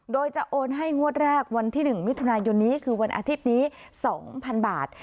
โดยจะโอนให้งวดแรกวันที่๑มิถุนายนนี้คือวันอาทิตย์นี้๒๐๐๐บาท